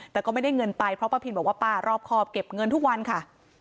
แต่ก็ไม่ได้เงินไปเพราะป้าพินบอกว่าป้ารอบครอบเก็บเงินทุกวันค่ะ